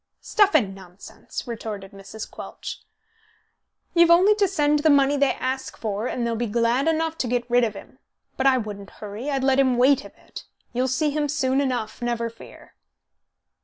"Stuff and nonsense!" retorted Mrs. Quelch. "You've only to send the money they ask for, and they'll be glad enough to get rid of him. But I wouldn't hurry; I'd let him wait a bit you'll see him soon enough, never fear."